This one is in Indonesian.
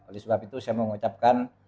oleh sebab itu saya mengucapkan